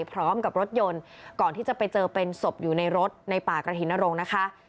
พร้อมกับรถยนต์ก่อนที่จะไปเจอเป็นศพอยู่ในรถในป่ากระถิ่นนรงค์นะคะ